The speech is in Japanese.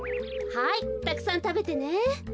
はいたくさんたべてね。